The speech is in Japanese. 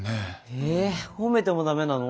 えっ褒めても駄目なの？